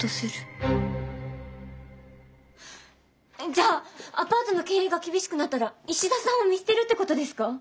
じゃあアパートの経営が厳しくなったら石田さんを見捨てるってことですか？